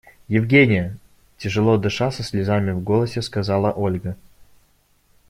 – Евгения! – тяжело дыша, со слезами в голосе сказала Ольга.